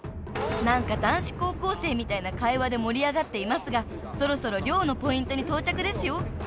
［何か男子高校生みたいな会話で盛り上がっていますがそろそろ漁のポイントに到着ですよ］